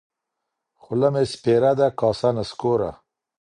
خوله مي سپېره ده کاسه نسکوره